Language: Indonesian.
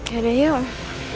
ya udah yaudah